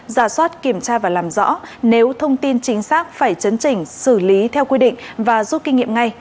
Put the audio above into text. giả soát kiểm tra và làm rõ nếu thông tin chính xác phải chấn chỉnh xử lý theo quy định và rút kinh nghiệm ngay